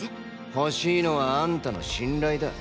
欲しいのはあんたの信頼だ。